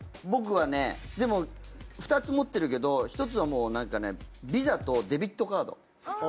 僕はねでも２つ持ってるけど１つはもうなんかねＶＩＳＡとデビットカード。